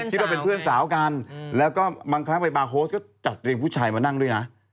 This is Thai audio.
ว่าเป็นเพื่อนสาวกันแล้วก็บางครั้งไปบาร์โฮสก็จัดเตรียมผู้ชายมานั่งด้วยนะ